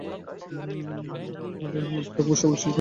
ফলে এঁদের মধ্যে প্রায়ই খুব সফল শিল্পী অথবা সফল ব্যবসায়ী দেখা যায়।